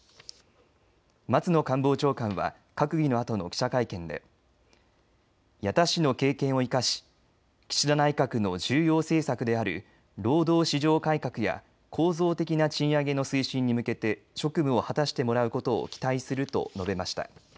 松野官房長官は閣議のあとの記者会見で矢田氏の経験を生かし岸田内閣の重要政策である労働市場改革や構造的な賃上げの推進に向けて職務を果たしてもらうことを期待すると述べました。